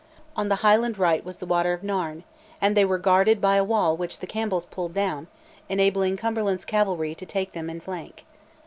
On the Highland right was the water of Nairn, and they were guarded by a wall which the Campbells pulled down, enabling Cumberland's cavalry to take them in flank.